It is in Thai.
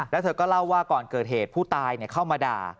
แล้วเธอก็เล่าว่าก่อนเกิดเหตุผู้ตายเข้ามาด่า